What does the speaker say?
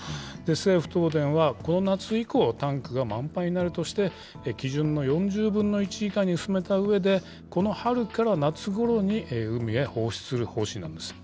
政府、東電は、この夏以降、タンクが満杯になるとして、基準の４０分の１以下に薄めたうえで、この春から夏ごろに海へ放出する方針なんです。